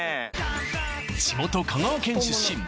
地元香川県出身